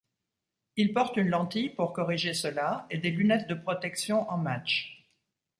Il porte une lentille pour corriger cela et des lunettes de protection en match.